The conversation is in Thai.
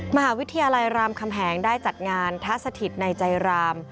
มหาวิทยาลัยรามคำแหงได้จัดงานทัศถิตในใจราม